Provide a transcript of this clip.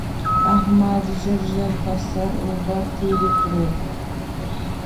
احمد ژر ژر پر سر اوبه تېرې کړې.